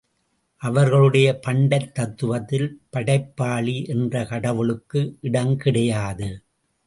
அவர்களுடைய பண்டைத் தத்துவத்தில் படைப்பாளி என்ற கடவுளுக்கு இடம் கிடையாது.